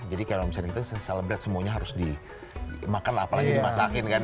jadi kalau misalnya kita celebrate semuanya harus dimakan apalagi dimasakin kan